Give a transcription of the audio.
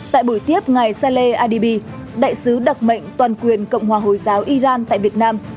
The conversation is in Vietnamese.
tại buổi tiếp ngài sale adibi đại sứ đặc mệnh toàn quyền cộng hòa hồi giáo iran tại việt nam